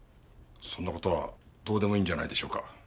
そんな事はどうでもいいんじゃないでしょうか。